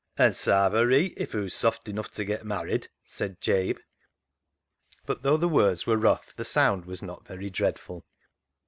" An' sarve her reet if hoo's soft enough ta get married," said Jabe; but though the words were rough the sound was not very dreadful.